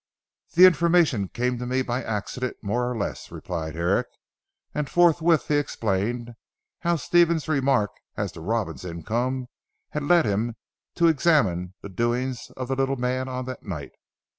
"The information came to me by accident more or less," replied Herrick and forthwith he explained, how Stephen's remark as to Robin's income had led him to examine into the doings of the little man on that night.